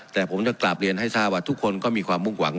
แต่ผมจะกลับเรียนให้ทราบว่าทุกคนก็มีความมุ่งหวัง